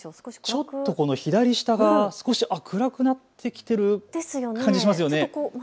ちょっと左下が暗くなってきてる感じしますよね。